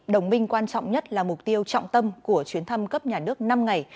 đồng minh quan trọng nhất là mục tiêu trọng tâm của chuyến thăm cấp nhà nước năm ngày